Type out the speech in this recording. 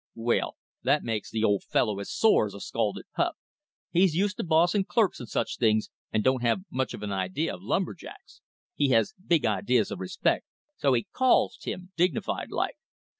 "Well, that makes the Old Fellow as sore as a scalded pup. He's used to bossin' clerks and such things, and don't have much of an idea of lumber jacks. He has big ideas of respect, so he 'calls' Tim dignified like.